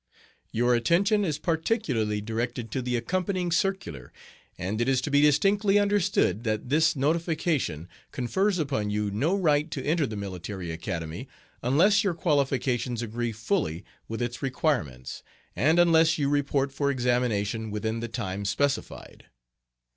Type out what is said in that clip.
Your attention is particularly directed to the accompanying circular, and it is to be distinctly understood that this notification confers upon you no right to enter the Military Academy unless your qualifications agree fully with its requirements, and unless you report for examination within the time specified.